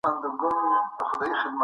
مدير مخکي لا د ادارې ستونزي درک کړي وې.